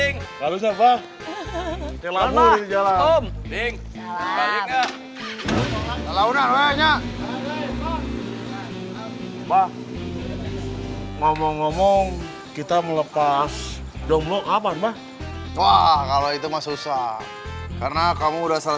ngomong ngomong kita melepas jomblo apa wah kalau itu mah susah karena kamu udah salah